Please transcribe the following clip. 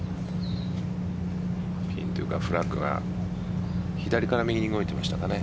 ピンというかフラッグが左から右に動いてましたかね